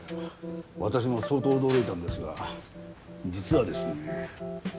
私も相当驚いたんですが実はですね